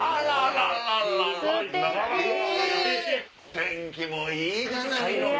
天気もいいじゃないの！